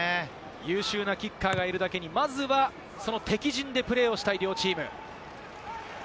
優秀なキッカーがいるだけに、まずはその敵陣でプレーをしたい両チーム。